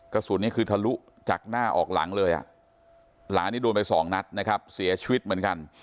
กระสุนนี้คือทะลุจากหน้าออกหลังเลยอ่ะหลานนี่โดนไปสองนัดนะครับเสียชีวิตเหมือนกัน